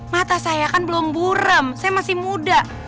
mata saya kan belum burem saya masih muda